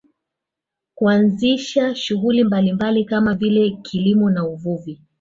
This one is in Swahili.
Kuanzisha shughuli mbalimbali kama vile kilimo na uvuvi